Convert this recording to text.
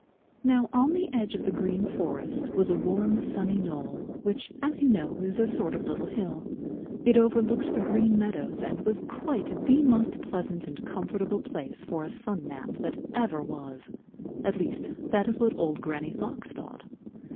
Now on the edge of the Green Forest was a warm, sunny knoll, which, as you know, is a sort of little hill. It overlooked the Green Meadows and was quite the most pleasant and comfortable place for a sun nap that ever was. At least, that is what Old Granny Fox thought.